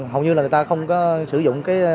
hầu như là người ta không có sử dụng